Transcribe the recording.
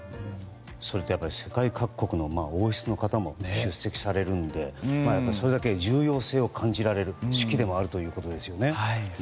それと世界各国の王室の方も出席されるのでそれだけ重要性を感じられる式でもあるということですね。